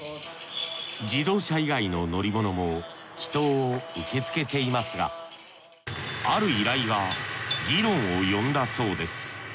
自動車以外の乗り物も祈祷を受け付けていますがある依頼が議論を呼んだそうです。